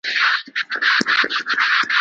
په اوکراین کې نوي نازیان ستر ګواښ دی.